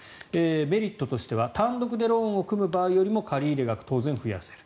メリットとしては単独でローンを組む場合よりも借入額を当然増やせる。